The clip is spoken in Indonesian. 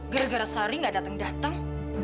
gara gara sari gak datang datang